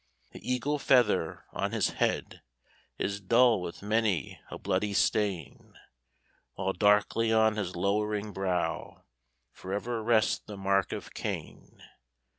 The eagle feather on his head Is dull with many a bloody stain, While darkly on his lowering brow Forever rests the mark of Cain.